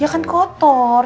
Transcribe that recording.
ya kan kotor